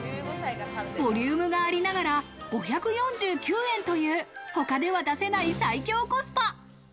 ボリュームがありながら５４９円という他では出せない最強コスパ。